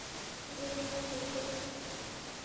বেইমানির বিপরীত শব্দ কী?